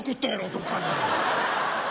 どっかに。